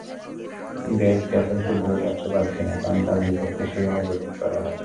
Greg চ্যাপেলকে রাখতে পারছি না, কারণ তাঁর বিপক্ষে সেভাবে বোলিং করা হয়নি।